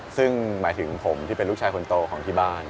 ซึ่งหมายถึงผมที่เป็นลูกชายคนโตของที่บ้าน